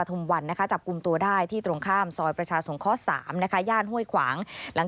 ทำผมสีทองพวกนั้น